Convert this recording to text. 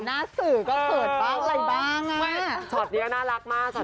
หน้าสื่อก็เซิร์ชบั๊กอะไรบ้าง